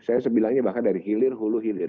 saya sebilangnya bahkan dari hilir hulu hilir